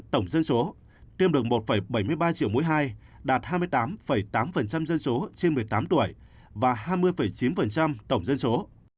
tổng dân số tiêm được một bảy mươi ba triệu mũi hai đạt hai mươi tám tám dân số trên một mươi tám tuổi và hai mươi chín tổng dân số